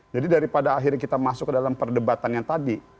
jadi daripada akhirnya kita masuk ke dalam perdebatan yang tadi